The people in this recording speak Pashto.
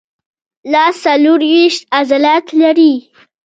لاس څلورویشت عضلات لري.